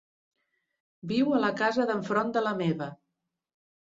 Viu a la casa d'enfront de la meva.